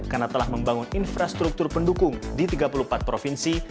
karena telah membangun infrastruktur pendukung di tiga puluh empat provinsi